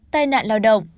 tai nạn lao động